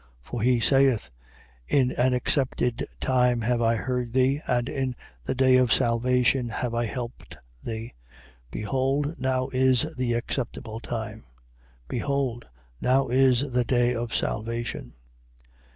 6:2. For he saith: In an accepted time have I heard thee and in the day of salvation have I helped thee. Behold, now is the acceptable time: behold, now is the day of salvation.